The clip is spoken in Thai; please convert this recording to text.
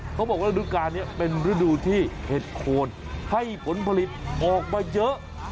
เขาบอกว่ารูดการนี้เป็นระดูที่เห็ดโค้นให้ผลผลิตออกมาเยอะ